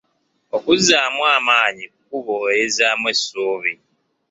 Okuzzaamu amaanyi kkubo erizzaamu essuubi.